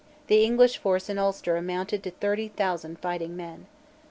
the English force in Ulster amounted to thirty thousand fighting men.